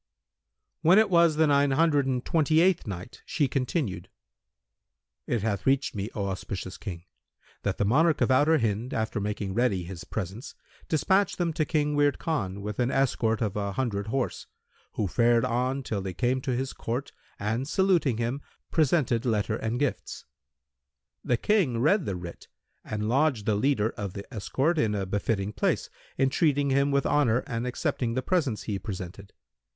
When it was the Nine Hundred and Twenty eighth Night, She continued: It hath reached me, O auspicious King, that the monarch of Outer Hind, after making ready his presents, despatched them to King Wird Khan with an escort of an hundred horse, who fared on till they came to his court and saluting him, presented letter and gifts. The King read the writ and lodged the leader of the escort in a befitting place, entreating him with honour and accepting the presents he presented.